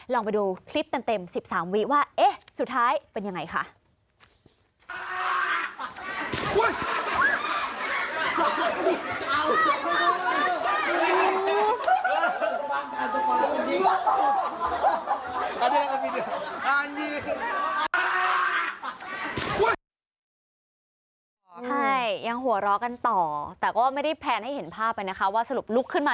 ลองไปดูคลิปเต็ม๑๓วิว่าเอ๊ะสุดท้ายเป็นยังไงค่ะ